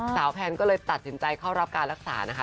แพนก็เลยตัดสินใจเข้ารับการรักษานะคะ